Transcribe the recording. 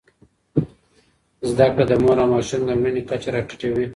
زدهکړې د مور او ماشوم د مړینې کچه راټیټوي.